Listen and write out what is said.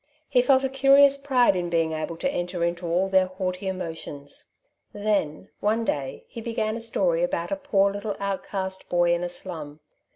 He felt a curious pride in being able to enter into all their haughty emotions. Then, one day, he began a story about a poor little outcast boy in a slum.